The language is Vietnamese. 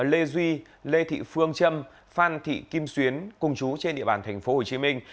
lê duy lê thị phương trâm phan thị kim xuyến cùng chú trên địa bàn thành phố hồ chí minh